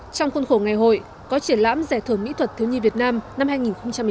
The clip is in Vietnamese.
trong khuôn khổ ngày hội có triển lãm giải thưởng mỹ thuật thiếu nhi việt nam năm hai nghìn một mươi chín